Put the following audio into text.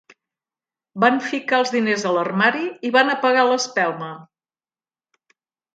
Van ficar els diners a l'armari i van apagar l'espelma.